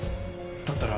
だったら。